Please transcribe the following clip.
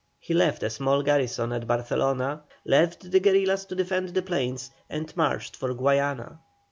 He left a small garrison at Barcelona, left the guerillas to defend the plains, and marched for Guayana.